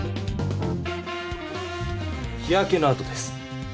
日やけのあとです。